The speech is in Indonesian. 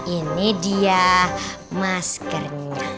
ini dia maskernya